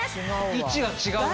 位置が違うね。